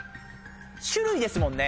種類ですもんね？